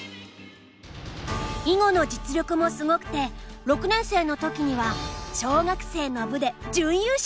囲碁の実力もすごくて６年生の時には小学生の部で準優勝しているんだ。